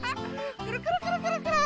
くるくるくるくるくる。